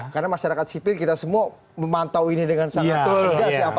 karena masyarakat sipil kita semua memantau ini dengan sangat tegas ya